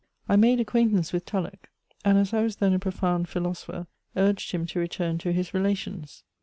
I made acquaintance with Tulloch ; and as I was then a pro found philosopher, urged him to return to his relations.